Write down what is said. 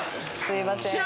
すいません。